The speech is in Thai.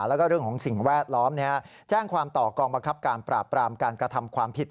แล้วก็เรื่องของสิ่งแวดล้อมแจ้งความต่อกองบังคับการปราบปรามการกระทำความผิด